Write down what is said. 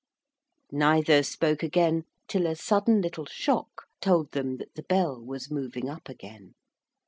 Neither spoke again till a sudden little shock told them that the bell was moving up again.